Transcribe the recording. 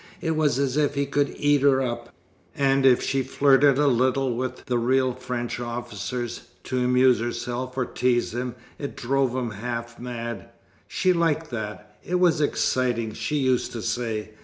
It was as if he could eat her up; and if she flirted a little with the real French officers, to amuse herself or tease him, it drove him half mad. She liked that it was exciting, she used to say.